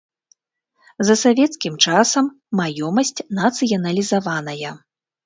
За савецкім часам маёмасць нацыяналізаваная.